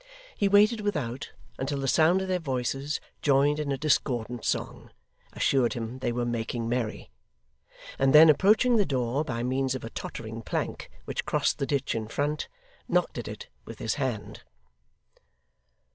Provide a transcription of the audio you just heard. He waited without, until the sound of their voices, joined in a discordant song, assured him they were making merry; and then approaching the door, by means of a tottering plank which crossed the ditch in front, knocked at it with his hand.